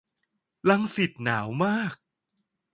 รังสิต หนาวมาก